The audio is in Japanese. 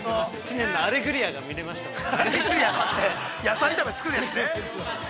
アレグリアが見れましたもんね。